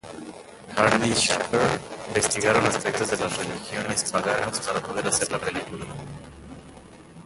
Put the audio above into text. Hardy y Shaffer investigaron aspectos de las religiones paganas para poder hacer la película.